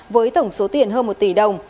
với tổng số tiền hơn một tỷ đồng